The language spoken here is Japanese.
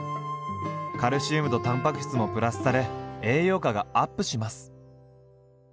カルシウムとたんぱく質もプラスされ栄養価がアップします。